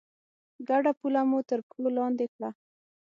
ګډه پوله مو تر پښو لاندې کړه.